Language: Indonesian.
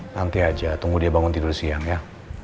nanti aja tunggu dia bangun tidur siang ya